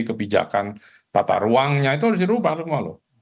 kebijakan tata ruangnya itu harus dirubah semua loh